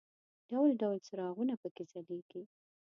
ډول ډول څراغونه په کې ځلېږي.